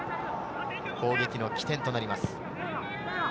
攻撃の起点となります。